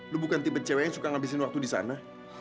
lu bukan tipe cewek yang suka ngabisin waktu di sana